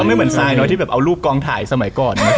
ไม่เหมือนทรายน้อยที่แบบเอารูปกองถ่ายสมัยก่อน